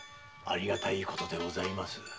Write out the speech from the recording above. ありがたいことでございます。